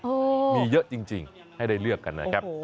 มีเยอะจริงให้ได้เลือกกันนะครับ